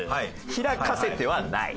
開かせてはない！